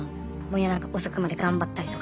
夜中遅くまで頑張ったりとか。